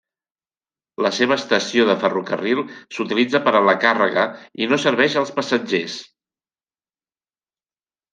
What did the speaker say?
La seva estació de ferrocarril s'utilitza per a la càrrega i no serveix als passatgers.